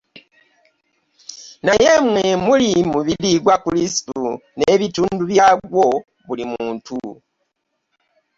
Naye mmwe muli mubiri gwa Kristo, n'ebitundu byagwo, buli muntu.